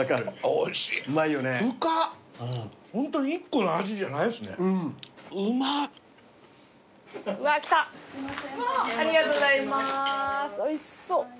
おいしそう。